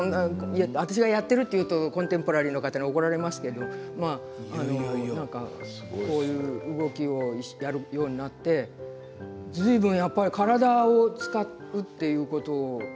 私がやってるというとコンテンポラリーの方に怒られますがこういう動きをやるようになってずいぶん体を使うということを。